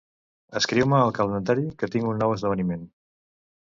Escriu-me al calendari que tinc un nou esdeveniment.